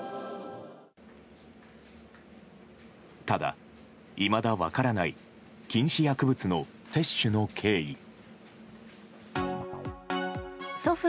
ただ、いまだ分からない禁止薬物の摂取の経緯。